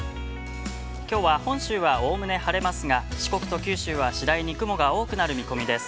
きょうは、本州はおおむね晴れますが四国と九州は次第に雲が多くなる見込みです。